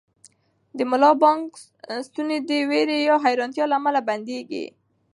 د ملا بانګ ستونی د وېرې یا حیرانتیا له امله بندېږي.